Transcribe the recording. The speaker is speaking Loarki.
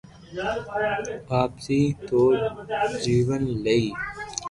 واپسي نوو جيون لئي